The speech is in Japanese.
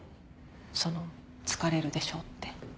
その疲れるでしょ？って。